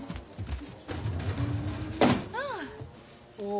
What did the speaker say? ああ！